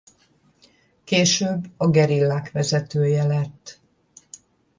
Később a gerillák vezetője lett.